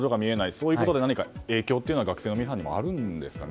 そういうことで影響というのは学生の皆さんにもあるんですかね？